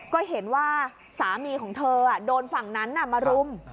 ก็เห็นว่าสามีของเธอโดนฝั่งนั้นมารุม